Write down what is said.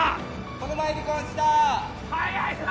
この前離婚した早いな！